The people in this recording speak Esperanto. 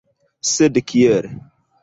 Sed kiel?